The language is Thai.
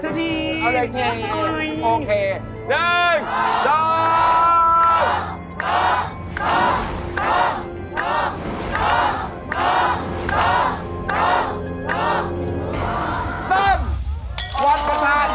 เปิดทะเทียบ